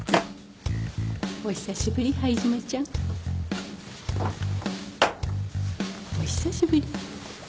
お久しぶり灰島ちゃん。お久しぶり。